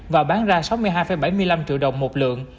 và bán ra sáu mươi hai bảy mươi năm triệu đồng một lượng